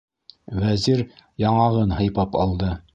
- Вәзир яңағын һыйпап алды.